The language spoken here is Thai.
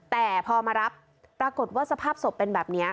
แต่พอมารับปรากฏว่าสภาพศพเป็นแบบนี้